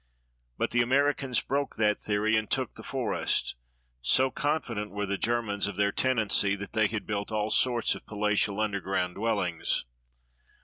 But the Americans broke that theory and took the forest. So confident were the Germans of their tenancy that they had built all sorts of palatial underground dwellings.